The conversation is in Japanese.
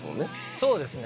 そうですね。